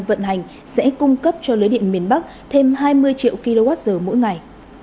vận hành sẽ cung cấp cho lưới điện miền bắc thêm hai mươi triệu kwh mỗi ngày